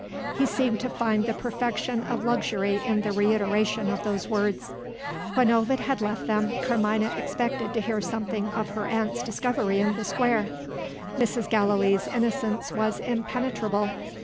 He seemed to find the perfection of luxury in the reiteration of those words. When Ovid had left them, Carmina expected to hear something of her aunt's discovery in the Square. Mrs. Gallilee's innocence was impenetrable.